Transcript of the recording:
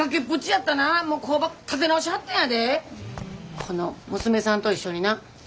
この娘さんと一緒にな。